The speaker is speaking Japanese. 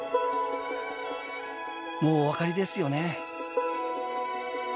もうお分かりですよね。